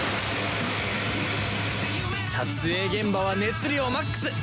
撮影現場は熱量マックス！